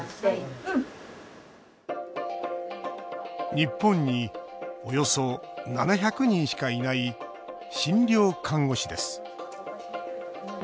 日本におよそ７００人しかいない診療看護師です。